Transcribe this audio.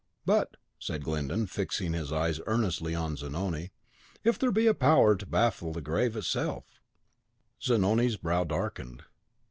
"But," said Glyndon, fixing his eyes earnestly on Zanoni, "if there be a power to baffle the grave itself " Zanoni's brow darkened.